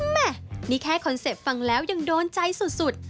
แม่นี่แค่คอนเซ็ปต์ฟังแล้วยังโดนใจสุด